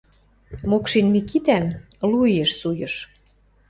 Мокшин Микитӓм – лу иэш суйыш.